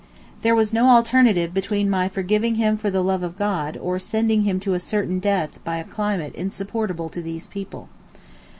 There was no alternative between my 'forgiving him for the love of God' or sending him to a certain death by a climate insupportable to these people.